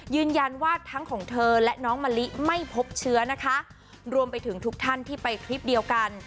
ยืนยันว่าทั้งของเธอและน้องมะลิไม่พบเชื้อนะคะรวมไปถึงทุกท่านที่ไปคลิปเดียวกัน